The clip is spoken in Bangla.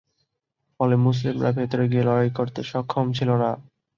ফলে মুসলিমরা ভেতরে গিয়ে লড়াই করতে সক্ষম ছিল না।